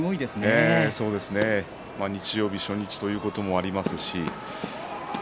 日曜日の初日ということもありますし。